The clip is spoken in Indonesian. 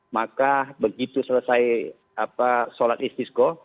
maka begitu selesai sholat istisko